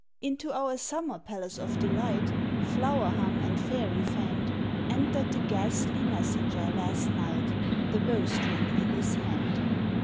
Into our summer palace of delight, Flower hung and fairy fanned, Entered the ghastly messenger last night, The bow string in his hand.